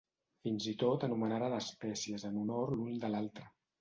Fins i tot anomenaren espècies en honor l'un de l'altre.